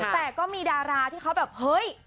แต่ก็มีดาราที่เขาแบบเฮ้ย